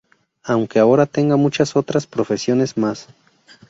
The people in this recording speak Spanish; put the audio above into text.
Aunque ahora tenga muchas otras profesiones más.